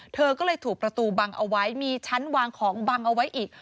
เธอก็เลยถูกประตูบังเอาไว้มีชั้นวางของบังเอาไว้อีก